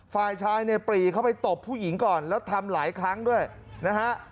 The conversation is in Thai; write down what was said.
ฝ่ายชายเนี่ยปรีเข้าไปตบผู้หญิงก่อนแล้วทำหลายครั้งด้วยนะฮะ